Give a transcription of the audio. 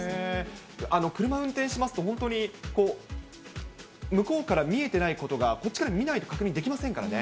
車運転しますと、本当にこう、向こうから見えてないことが、こっちから見ないと確認できませんからね。